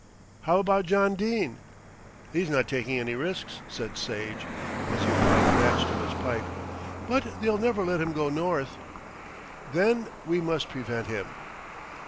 "How about John Dene?" "He's not taking any risks," said Sage, as he applied a match to his pipe. "But they'll never let him go north." "Then we must prevent him."